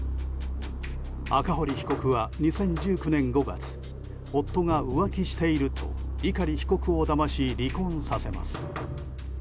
赤堀被告は２０１９年５月夫が浮気していると碇被告をだまし、離婚させます。